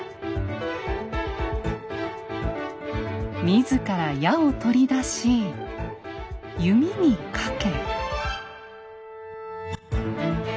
自ら矢を取り出し弓にかけ。